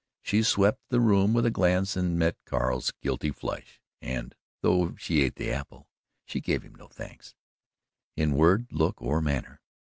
She swept the room with a glance and met Cal's guilty flush, and though she ate the apple, she gave him no thanks in word, look or manner.